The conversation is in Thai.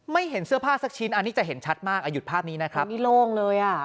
เห็นเสื้อผ้าสักชิ้นอันนี้จะเห็นชัดมากอ่ะหยุดภาพนี้นะครับนี่โล่งเลยอ่ะ